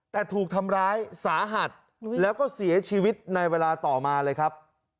แต่ถูกทำร้ายสาหัสแล้วก็เสียชีวิตในเวลาต่อมาเลยครับ